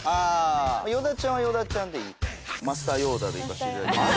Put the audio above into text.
与田ちゃんは与田ちゃんでいいか。でいかせていただきます。